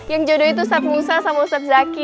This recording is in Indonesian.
yang jodoh itu ustadz musa sama ustadz zaky